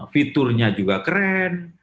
fiturnya juga keren